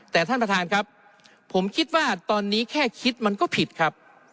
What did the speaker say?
แต่ท่านประธานครับผมคิดว่าตอนนี้แค่คิดมันก็ผิดครับ